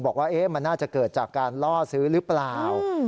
บอกว่ามันน่าจะเกิดจากการล่อซื้อหรือเปล่า